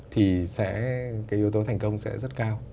thì yếu tố thành công sẽ rất cao